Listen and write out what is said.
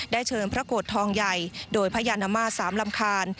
ได้เชิญพระโกธทองใหญ่โดยพญานมาศามลำคาร